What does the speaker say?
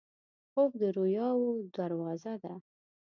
خوب د رویاوو دروازه ده